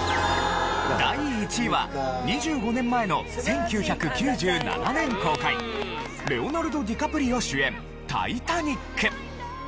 第１位は２５年前の１９９７年公開レオナルド・ディカプリオ主演『タイタニック』。